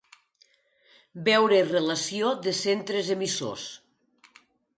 Veure relació de centres emissors.